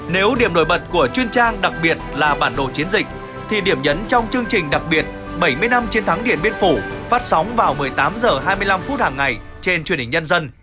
nếu điểm nổi bật của truyền trang đặc biệt là bản đồ chiến dịch thì điểm nhấn trong chương trình đặc biệt bảy mươi năm chiến thắng điện biên phủ phát sóng vào một mươi tám h hai mươi năm phút hàng ngày trên truyền hình nhân dân